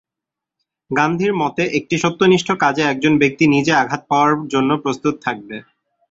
গান্ধীর মতে, একটি সত্যনিষ্ঠ কাজে একজন ব্যক্তি নিজে আঘাত পাওয়ার জন্য প্রস্ত্তত থাকবে।